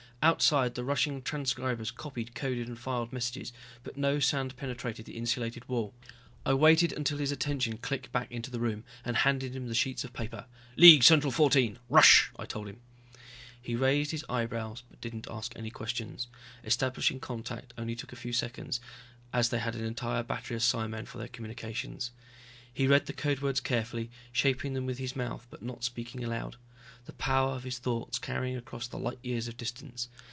Outside the rushing transcribers copied, coded and filed messages, but no sound penetrated the insulated wall. I waited until his attention clicked back into the room, and handed him the sheets of paper. "League Central 14 rush," I told him. He raised his eyebrows, but didn't ask any questions. Establishing contact only took a few seconds, as they had an entire battery of psimen for their communications. He read the code words carefully, shaping them with his mouth but not speaking aloud, the power of his thoughts carrying across the light years of distance.